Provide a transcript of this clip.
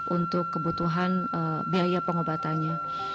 untuk kebutuhan biaya pengobatannya